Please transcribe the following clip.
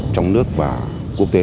trong nước và quốc tế